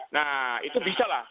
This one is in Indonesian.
nah itu bisa lah